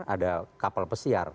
ada kapal pesiar